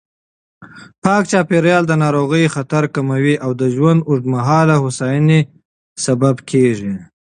پاک چاپېریال د ناروغیو خطر کموي او د ژوند اوږدمهاله هوساینې لامل کېږي.